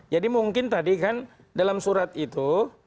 jadi mungkin tadi kan dalam surat itu